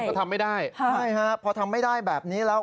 ก็ทำไม่ได้ใช่ฮะพอทำไม่ได้แบบนี้แล้ว